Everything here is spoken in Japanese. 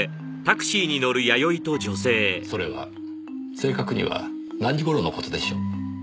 それは正確には何時頃の事でしょう？